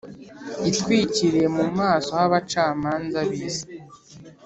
itwikiriye mu maso h’abacamanza b’isi